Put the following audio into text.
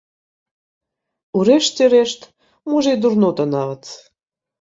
У рэшце рэшт, можа і дурнота нават!